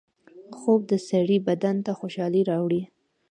خوب د سړي بدن ته خوشحالۍ راوړي